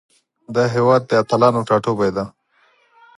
دا هیواد د اتلانو ټاټوبی ده.